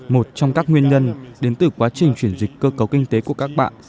một trong các nguyên nhân đến từ quá trình chuyển dịch cơ cấu kinh tế của các bạn